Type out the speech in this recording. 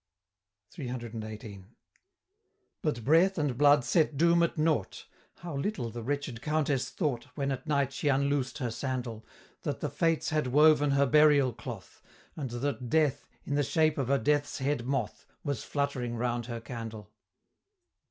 CCCXVIII. But breath and blood set doom at nought How little the wretched Countess thought, When at night she unloosed her sandal, That the Fates had woven her burial cloth, And that Death, in the shape of a Death's Head Moth, Was fluttering round her candle!